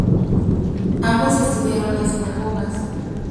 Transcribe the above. Ambos estudiaron las sinagogas.